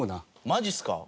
マジっすか？